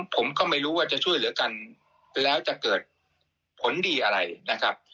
ผมก็ไม่รู้ว่าจะช่วยเหลือกันแล้วจะเกิดผลดีอะไรนะครับ